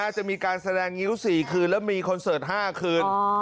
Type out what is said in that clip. จะมีการแสดงงิ้ว๔คืนแล้วมีคอนเสิร์ต๕คืน